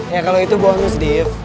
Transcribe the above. ya kalau itu bonus deef